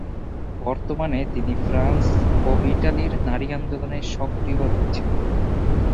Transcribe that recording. বর্তমানে, তিনি ফ্রান্স ও ইতালির নারী আন্দোলনে সক্রিয় রয়েছেন।